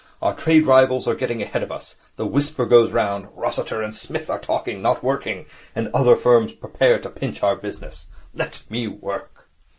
Our trade rivals are getting ahead of us. The whisper goes round, "Rossiter and Psmith are talking, not working," and other firms prepare to pinch our business. Let me Work.'